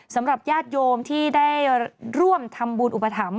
สำหรับญาติโยมที่ได้ร่วมทำบุญอุปถัมภ